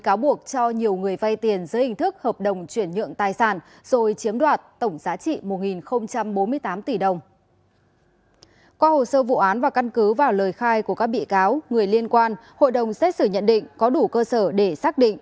qua hồ sơ vụ án và căn cứ vào lời khai của các bị cáo người liên quan hội đồng xét xử nhận định có đủ cơ sở để xác định